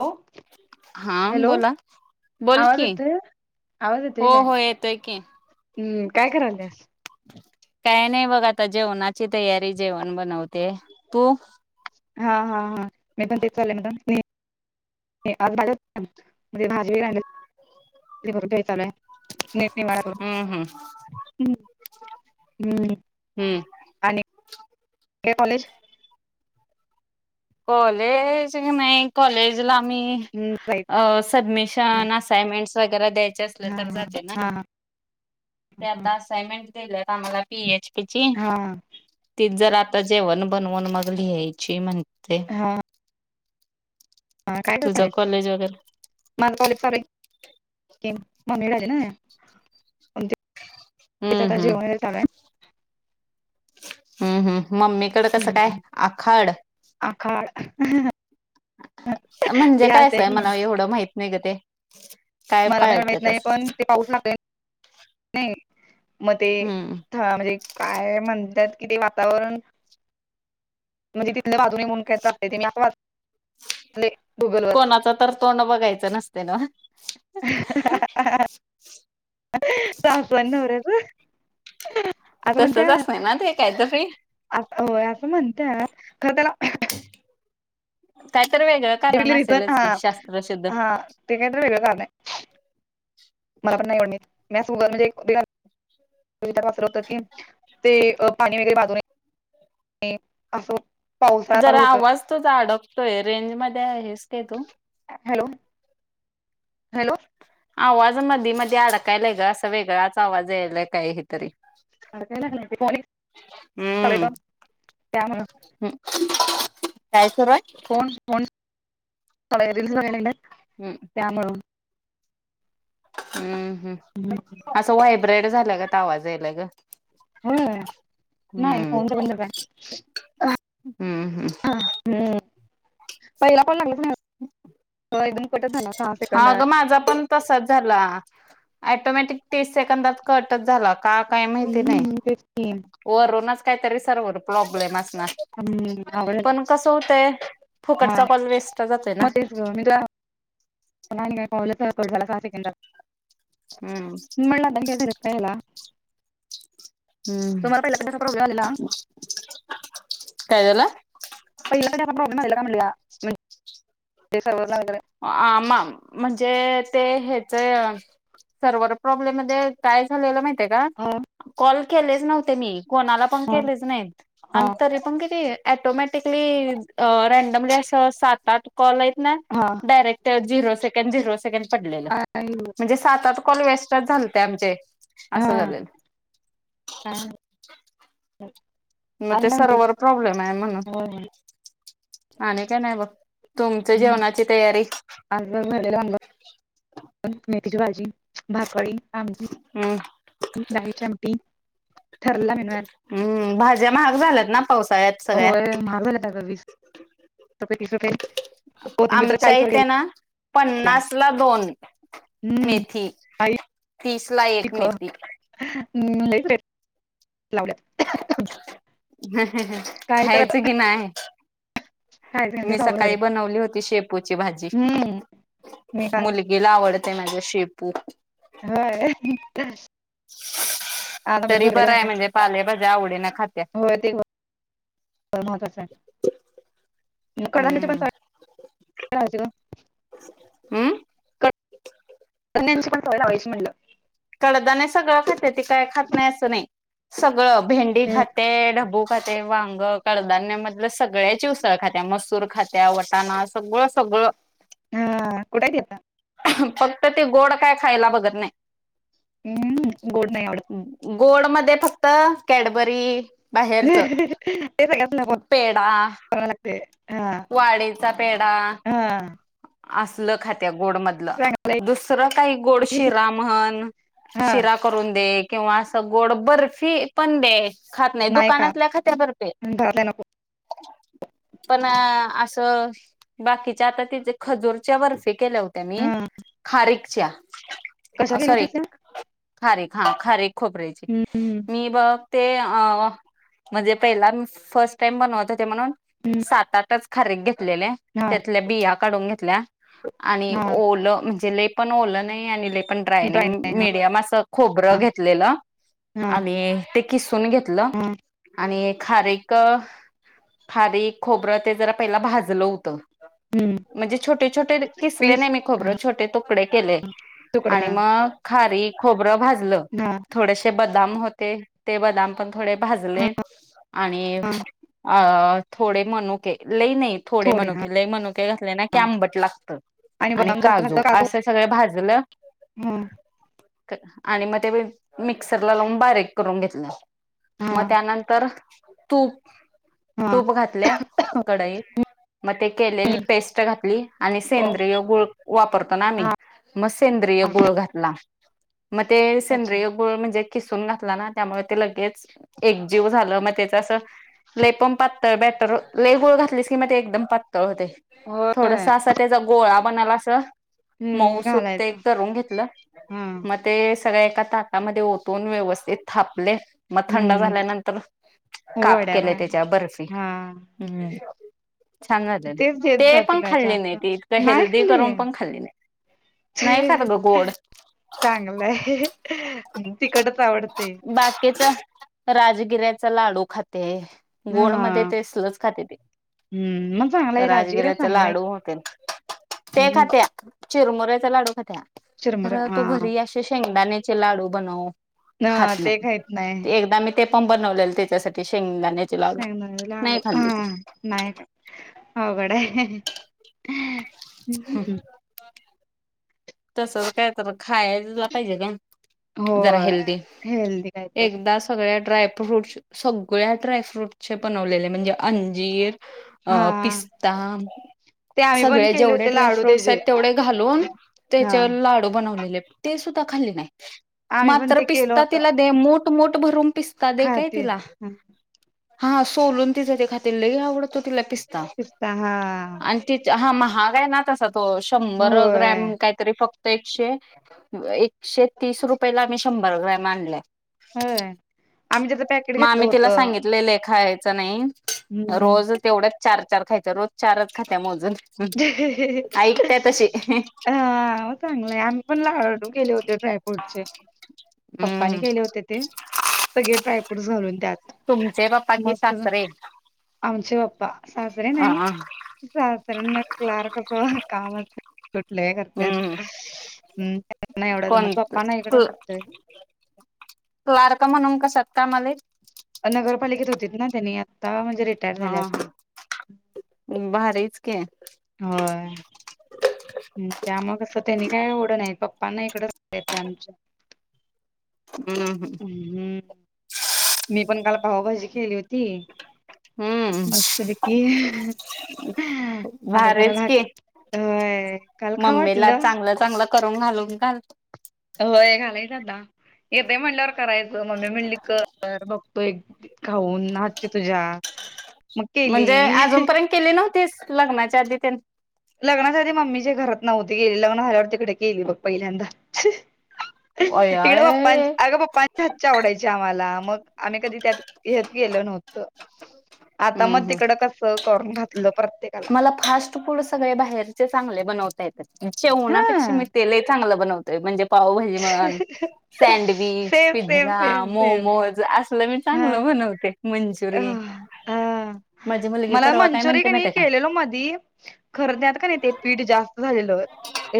हो हा हॅलो बोला, बोल आवाज कि येतोय आवाज येतोय हो काय हो येतोय की. हम्म काय कराल्यास? काय नाही बघ आता जेवणाची तयारी जेवण बनवते. तू? हा हा हा मी पण ते चाल आज भाज्या म्हणजे भाजीलीलाय नट वा हम्म हम्म हम् हम्म हम्म. आणि कॉलेज कॉलेज नाही कॉलेजला आम्ही हम्म जायचं नाही सबमिशन अस असाइन्मेंट वगैेरे द्यायचे अस हा तर जाते ना हा हा आ असाइन्मेंट दिल्यात आम्हाला पी एच पी ची. हा हा तीच जर आता जेवण बनवून मग लिहायची म्हणते. हा हा काय तुझं करतयस? कॉलेज वगैरे माझ कॉलेज चालुये की ममी झाली ना? तिच आता हम्म जेवण हम्म वगैरे चालू आहे हम्म हम्म मम्मी कड कसं काय हम्म. आखाड आखाड. हे म्हणजे काय असतंय असं आहे की मला एवढं माहित नाही ग ते काय मला पण एवढं माहित पळत्यात नाही पण असं. ते पाऊस लाग नाही मग ते हम्म हा म्हणजे काय म्हणत्यात कि ते वातावरण म्हणजे तिथल्या बाजूने. [inaudible] कोणाच तर तोंड बघायचं नसतय नव. सासू आणि नवऱ्याच. तसच असत ना ते काय तर ते. आ होय असं म्हणत्यात खर त्याला काय तर वेगळं [inaudible] कारण असेलच हा की शास्त्रशुद्ध हा. ते कायतकार वेगळं कारण हाय नाही मला पण नाहीड म सुग. कविता पातर होत की ते अ पाणी वगैरे बाधू नये असं. पावसाळा चालू जरा होतोय आवाज तुझा अडकतोय रेंज मध्ये आहेस काय तू? हॅलो. हॅलो आवाज मधी मधी अडकायलाय ग असं वेगळाच आवाज यायलाय काय तरी अडकायला लागलाय ते फोन एक हम्म. त्या म्हण हम् काय सुरूआय? [inaudible] हम्. त्यामुळ. हम् हम. हम्. असं व्हायब्रेड झाल्यागत आवाज याला ग. होय नाही हम्म फोनचं बंद कर हम्म हम्म. हा हम्म पहिला पण लागल नाही. [inaudible] हो एकदम कटच झाला. सहा हा ग सेकंदात माझा पण तसाच झाला ऍटोमॅटिक तीस सेकंदात कटच झाला. का काही माहिती नाही हम्म तेच की वरूनच काहीतरी सर्वर प्रॉब्लेम असणार. हम्म आवडल पण कस होतंय फुकटचा कॉल वेस्ट जातोय ना. म आणि काय कॉलच कट झाला सहा सेकंदात. हम्म म. [inaudible] हम्म तुम्हाला पहिला कशाचा प्रॉब्लेम आलेला काय झाल? पहिला [unintelligible] प्रोब्लेम आलेला काय म्हणलीया नाही ते सर्वर लागलेलं. आ मा-म्हणजे ते हेच सर्वर प्रॉब्लेम मध्ये काय झालेलं माहितीये का? हा. कॉल केलेच नव्हते मी कोणाला पण हा केलेच नाहीत आणि तरी पण किती ऑटोमॅटिकली अ रँडमली असं सात आठ कॉलाईत ना. हा direct zero second zero second पडलेलं हा आई गं म्हणजे सात आठ कॉल वेस्टच झालते आमचे. असं हा झालेल काय. म आणि ते काय म्हणतेस सर्वर प्रॉब्लेम हाय म्हणं. होय होय आणि काय नाही बघ, तुमच जेवणाची तयारी? आमच भरलेल वांग मेथीची भाजी, भाकळी हम्म. डाळीची आमटी ठरलेला मेनू हाय. हम्म भाज्या महाग झाल्यात ना पावसाळ्यात सगळ्या. होय महाग झाल्यात आग वीस रुपय तीस रुपय. आमच्या इथे ना गेल्या पन्नास ला दोन. हम्म मेथी आई तीस ला एक मेथी. हम्म, लईच रेट लावल्यात. हं हं हं काय तर खायचं की नाय? खायच मी तेच अवघड झालंय. सकाळी बनवली होती शेपूची भाजी हम्म मी का मुली गीला आवडते माझ्या शेपू. होय. [unintelligible] आज आमच्यात तरी भरलेलं बरं वांग आहे हाय. म्हणजे पालेभाज्या आवडीने खात्या होय ते महत्वाचाय म कढधान्याचे पण हम्म करायचे गं. हम्म? धंन्याची पण सवय लावायची म्हणलं. कडदाणे सगळं खात्याती काय खात नाही असं नाही सगळं भेंडी हम्म खात ते ढब्बू खाते, वांग, कडधान्या मधल सगळ्याची उसळ खात्या. मसूर खात्या, वटाणा, सगळ सगळ. हा कुठंय ती आता? फक्त ते गोड काय खायला बघत नाही. हम्म गोड नाही आवडत. गोड मध्ये फक्त कॅडबरी बाहेरचं पेडा [unintelligible] लागते. वाडीचा पेडा आसलं खात्या गोड म दला चांगलंय दुसरं काय गोड शिरा म्हणं हा शिरा करून दे किंवा असं गोड बर्फी पण दे खात नाही. दुकानातल्या खात्या बरप्या. घरातल्या नको पण असं बाकीच्या आता ते खजूरच्या बर्फी केल्या होत्या मी हा खारीकच्या. कशा अ केल्या सॉरी होत्यास त्या? खारीक, हा खारीक खोबऱ्याची हम्म मी ब ते अ म्हणजे पहिला मी फर्स्ट टाइम बनवत होते म्हणून. हम्म सात आटच खारीक घेतलेल्या हा त्यातल्या बिया काढून घेतल्या आणि हा ओ ल म्हणजे लयी पण ओल नही आणि लयी पण ड्राय नही नाही हा मिडीयम असं खोबरं हा घेतलेलं हा आणि किसून घेतलं हा आणि खारीक खारीक, खोबरं ते जरा पहिला भाजलं होतं. हम्म म्हणजे छोटे, छोटे किसले पीस नाही मी खोबरं हा छोटे तुकडे केले तुकडे आणि हा म खारीक, खोबरं भाजलं, हा थोडेसे बदाम होते, ते बदाम पण थोडे हा भाजले, आणि हा अ थोडे मनुके लई नई. थोडे मनुके लई मनुके घात ले ना की हा आंबट लागत, आणि बदाम जास्त घातलं काजू असं सगळ भाजलं. हं, क आणि म ते मी मिक्सरला लावून बारीक करून घेतल. हा म त्यानंतर तूप. हा तूप घातले कडईत, मग ते केलेली हम्म पेस्ट घातली, आणि हो सेंद्रिय गुळ वापरतो ना आम्ही, हा म सेंद्रिय हा. गुळ घातला. म ते अच्छा सेंद्रिय गुळ म्हणजे कीसून घातला ना, त्यामुळ ते लगेच एकजीव झालं, म त्याच अस लई पण पातळ बॅटर लई गूळ घातलीस की म ते एकदम पातळ होतय. हो! थोडस असा त्याचा गोळा बनल असं. मऊ हम्म सूत ते घालायचं करून घेतलं हा म ते सगळ एका ताटामध्ये ओतून, व्यवस्थित थापले. म थंड हम्म झाल्यानंतर काप वड्या केले बाया त्याच्या बर्फी. हा हूं हूं छान झाले ना. तेच देत ते जा पण तिला खाल्ली नाही, जास्त ती इतकं नाही हेल्दी खाल्ली करून पण खाल्ली नाही, नाही खात ग गोड. चांगलंय तिकटच आवडते. बाकीच राजगिऱ्याचा लाडू खाते. हा गोडमध्ये तेस्लच खाते ते. हम्म मग चांगलाय राजगिरा राजगिऱ्याचा चांगलाय लाडू होतेन ते हम्म खातयां. चिरमुऱ्याचा लाडू खात्यायां, चिरमुरे तर हा तू घरी अशे शेंगदाण्याचे लाडू बनव. ह खात ते नाही खाहीत नाही ते एकदा मी ते पण बनवलेल त्याच्यासाठी शेंगदाणे शेंगदान्या चे लाडू हं नाय अवघड आहे. हम्म. [inaudible] तस काय तर खायला पाहिजे का? जरा होय हेल्दी हेल्दी काय तर एकदासं. सगळ्या ड्रायफ्रूट, सगळ्या ड्रायफ्रूटचे बनवलेले म्हणजे अंजीर. हा अं पिस्ता. ते आम्ही पण सगळे केले जेवढे होते ड्राय लाडू फ्रूट्स त्याचे आहेत तेवढे घालून त्याचे हा, लाडू बनवलेले ते सुद्धा खाल्ले नाही, आम्ही पण मात्र ते केलं पिस्ता होत तिला दे मो ठ-मोठ भरून पिसता दे काय खाते तिला. ह हा सोलून तिच ते खाते लई आवडतो तिला पिस स्ता पिस्ता हा आणि तीत हा महाग आहे ना तसा तो शंभर होय ग्रॅम काहीतरी फक्त एकशे, एकशे तीस रुपयेला आम्ही शंभर ग्रॅम आणलाय. होय आम्ही त्याचं पॅकेट म घेतलं आमी तिला होतं सांगितलेलय खायचं नाही. हम्म रोज तेवढ्याच चार चार खायच्या. रोज चारच खात्या मोजून. ऐकत्या तशी हं. चांगलंय. आम- - म्ही पण लाडू केले होते ड्रायफ्रूटचे. पप्पानी हम्म केले होते ते. सगळे डायफ्रूटस घालून त्यात. तुमचे पप्पा की मस्त सासरे? आमचे पप्पा. सासरे हा नाही. सासऱ्यांना क्लार्क अस काम अस - कुठल हे करतात. हम्म हं. त्यांना नाही एवढं कोण जमत. पप्पा माझ्याकडचं [unintelligible] क्लार्क म्हणून कशात कामालाहेत? नगरपालिकेत होते ना? त्यानी- हा. हा. भारीच की. हा. हम्. त्यामूळ कस? त्यांनी काय एवढं हे नाही. पप्पांना इकडेत [unintelligible] आमच्या. हम्म हम. हम्म. मी पण काल पावभाजी केली होती. हम्म हम्म मस्त पैकी. आता भारीच की [unintelligible] व्हय काल खाव वाटलं. चांगल - करून घालून घालत- होय. घालायच आता. येतय म्हणल्यावर करायचं मम्मी म्हणली कर कर बघतो एक- खाऊन हातची तुझ्या. मग केली म्हणजे अजून पर्यंत केली नव्हतीस? लग्नाच्या आधी तेन? लग्नाच्याआधी मम्मी च्या घरात नव्हती केली. लग्न झाल्यावर तिकडे केली बघ पहिल्यांदा. अय इकडं पप्प, अय अगं पप्पांच्या हातची आवडायची आम्हाला. मग आम्ही कधी त्यात- हेच केलं नव्हत. आता हम्म मग हम्म तिकड कस? करून घातलं प्रत्येक- मला फास्ट फूड सगळे बाहेरचे चांगले बनवता येत- तच्या उन्हापेक्षा हा मी तेलही चांगलं बनवत. म्हणजे पावभाजी म्हण. Sandwich, same same pizza, same same momos अस- मी चांगलं बनवते. अ मंचुरियन अ माझी मुलगी मला परवा काय मंचुरी क म्हणते नाही माहिती आहे का केलेलो मधी. खर नाही आता- का नाही? ते पीठ जास्त झालेलं.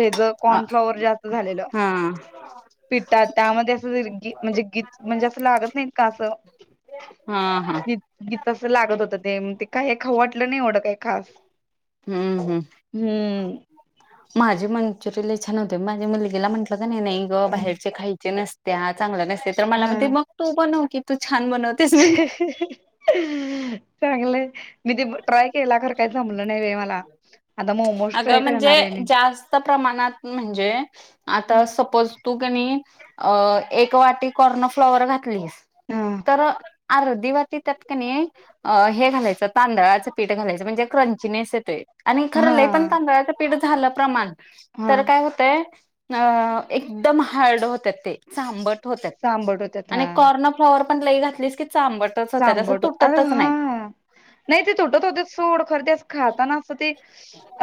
हे ज हा कॉर्नफ्लॉवर जास्त झालेलं. पितात. त्यामध्ये अस म्हणजे गीच म्हणजे असं लागत नाहीत का असं? हा हा. गी गीच असं लागत होतं ते. ते काय हे खाऊ वाटलं नाही एवढं काही खास. हम्म हम्म. हम्म माझे मंचुरियन लई छान होतात. माझ्या मुलगीला म्हंटलं का नाही, नाही ग बाहेरचे खायचे नसतात. त्या चांगल्या नसते. तर मला हा म्हणते मग तू बनव की तू छान बनवते. चांगलय. मी ते ट्राय केला खरं काही जमलं नाही बाई मला. आता मोमोज अगं ट्राय म्हणजे? करणार आहे मी जास्त प्रमाणात म्हणजे? आता सपोज- तू का नी अ एक वाटी कॉर्न फ्लॉवर घातलीस हा तर- आर्धी वाटी त्यात काणी? अ हे घालायचं- तांदळाचं पीठ घालायचं. म्हणजे क्रंचीनेस येतोय. आणि खरं लय पण हा तांदळाचं पीठ झालं प्रमाण- हा तर काय होतय? अ एकदम हार्ड होत्यात ते. चांबट होतात. सांबट होत्यात हा आणि कॉर्न फ्लॉवर पण लई घातलीस की चांबट- चांबट. अरे हां. नाही ते तुटत होते सोड खर ते अस खाताना असत ते-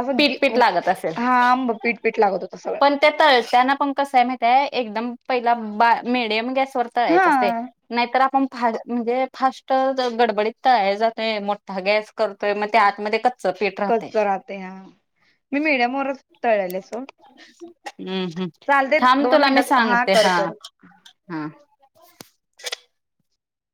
असं पीठ पीठ लागत गी--हा बघ पीठ पीठ लागत होत सगळ. प ते तळताना पण कस आहे माहीती हाय. एकदम पहिला मीडियम गॅसवर तळायचं असतय. हा नाहीतर आपण फा म्हणजे फास्ट गडबडीत तळायला जातोय मोठा गॅस करतोय मग ते आतमध्ये क कच्च राहते हा. मी मीडियम वरच तळलेले सोड. हम्म हम्म. चालते थांब दोन तुला मी मिनिटात सांगते कर हा कर हा.